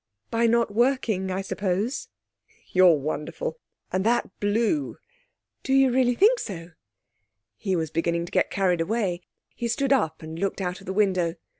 'By not working, I suppose.' 'You're wonderful. And that blue....' 'Do you really think so?' He was beginning to get carried away. He stood up and looked out of the window.